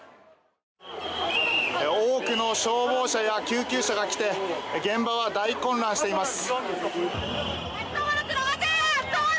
多くの消防車や救急車が来て現場は大混乱しています。